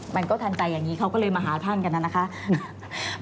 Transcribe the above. มันก็ทันใจอย่างนี้เขาก็เลยมาหาท่านกันนะครับ